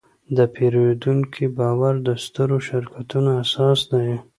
د پیرودونکي باور د سترو شرکتونو اساس دی.